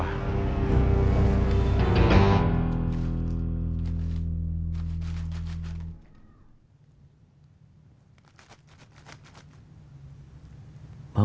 jadi kang bahr